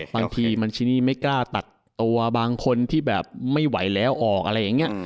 บางทีมันชินีไม่กล้าตัดตัวบางคนที่แบบไม่ไหวแล้วออกอะไรอย่างนี้